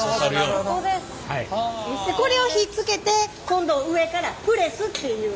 これをひっつけて今度上からプレスっていう。